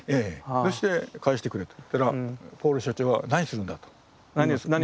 そして「返してくれ」と言ったらポール所長は「何するんだ？」と。